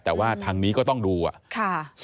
แต่ว่าทางนี้ก็ต้องดูอ่ะ